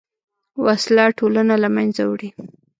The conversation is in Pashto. وسله ټولنه له منځه وړي